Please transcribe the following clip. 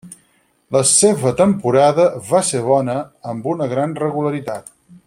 La seva temporada va ser bona, amb una gran regularitat.